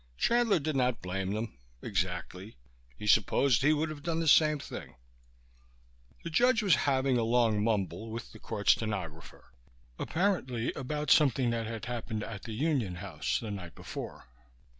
Chandler did not blame them exactly. He supposed he would have done the same thing. The judge was having a long mumble with the court stenographer apparently about something which had happened in the Union House the night before.